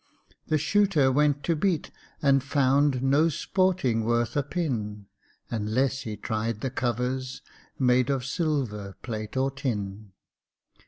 The Shooter went to beat, and found No sporting worth a pin, Unless he tried the covers made Of silver, plate, or tin.